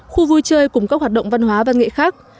khu vui chơi cùng các hoạt động văn hóa văn nghệ khác